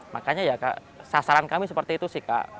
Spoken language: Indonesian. makanya ya sasaran kami seperti itu sih kak